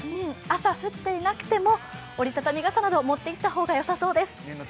朝降っていなくても折り畳み傘などを持っていった方がよさそうです。